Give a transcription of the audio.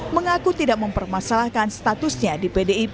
mengaku tidak mempermasalahkan statusnya di pdip